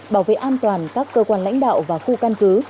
bảo vệ an toàn các cơ quan lãnh đạo và khu căn cứ